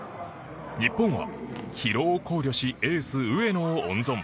日本は疲労を考慮しエース、上野を温存。